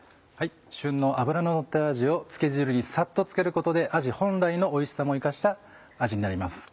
旬の脂ののったあじを漬け汁にサッと漬けることであじ本来のおいしさも生かした味になります。